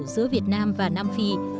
giữa việt nam và nam phi